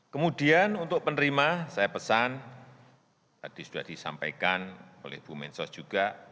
kemudian untuk penerima saya pesan tadi sudah disampaikan oleh bu mensos juga